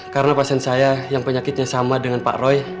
karena pasien saya yang penyakitnya sama dengan pak roy